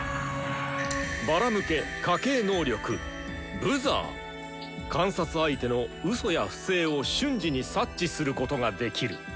バラム家家系能力観察相手のうそや不正を瞬時に察知することができる。